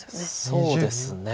そうですね。